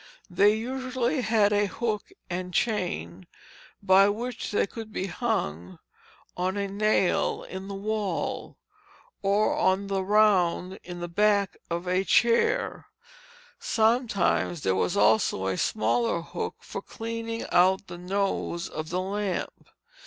They usually had a hook and chain by which they could be hung on a nail in the wall, or on the round in the back of a chair; sometimes there was also a smaller hook for cleaning out the nose of the lamp.